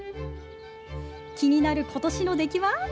気になることしの出来は？